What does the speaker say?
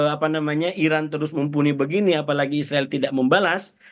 apa namanya iran terus mumpuni begini apalagi israel tidak membalas